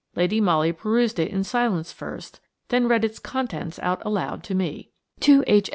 Lady Molly perused it in silence first, then read its contents out aloud to me:– "To H.